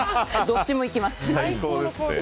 どっちもいきます。